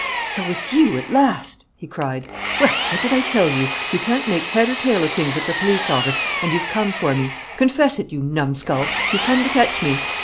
"So it's you, at last?" he cried. "Well, what did I tell you? You can't make head or tail of things at the police office and you've come for me! Confess it, you numskull! You've come to fetch me!